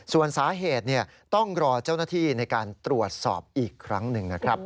ส่วนสาเหตุต้องรอเจ้าหน้าที่ในการตรวจสอบอีกครั้งหนึ่งนะครับ